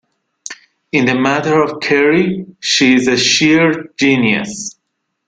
In the matter of curry she is a sheer genius.